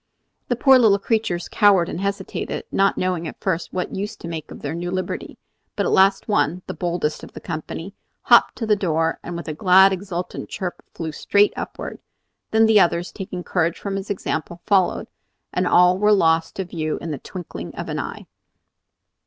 The poor little creatures cowered and hesitated, not knowing at first what use to make of their new liberty; but at last one, the boldest of the company, hopped to the door and with a glad, exultant chirp flew straight upward. Then the others, taking courage from his example, followed, and all were lost to view in the twinkling of an eye.